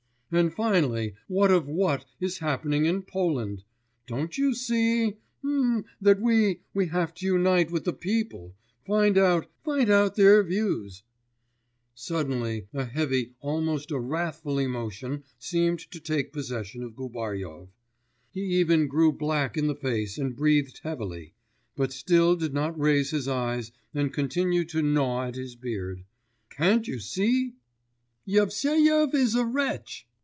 And finally, what of what is happening in Poland? Don't you see that ... mmm ... that we ... we have to unite with the people ... find out ... find out their views ' Suddenly a heavy, almost a wrathful emotion seemed to take possession of Gubaryov; he even grew black in the face and breathed heavily, but still did not raise his eyes, and continued to gnaw at his beard. 'Can't you see ' 'Yevseyev is a wretch!